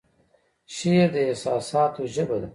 شعر د احساساتو ژبه ده